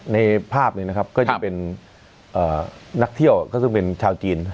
ในภาพนี้นะครับก็จะเป็นนักเที่ยวก็ซึ่งเป็นชาวจีน